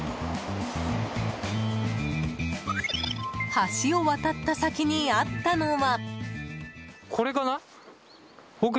橋を渡った先にあったのは。